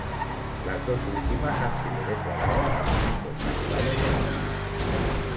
Las dos últimas han sido declaradas monumentos naturales en Chile.